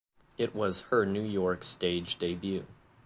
It was her New York stage debut.